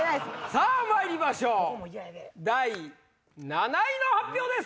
さぁまいりましょう第７位の発表です！